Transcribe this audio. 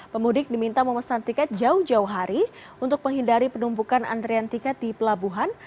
pemudik diminta memesan tiket jauh jauh hari untuk menghindari penumpukan antrian tiket di pelabuhan